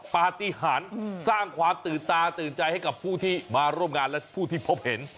ปฏิหารสร้างความตื่นตาตื่นใจให้กับผู้ที่มาร่วมงานและผู้ที่พบเห็น